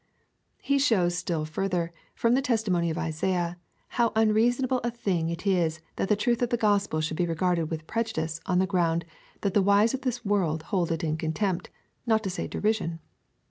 He shows still farther, from the testimony of Isaiah, how unreasonable a thing it is that the tnith of the gospel should be regarded with jirejudice on the ground that the wise of this world hold it in contempt, not to say derision.